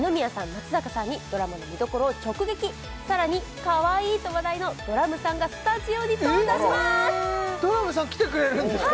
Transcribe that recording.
松坂さんにドラマの見どころを直撃さらにかわいいと話題のドラムさんがスタジオに登場します！ドラムさん来てくれるんですか？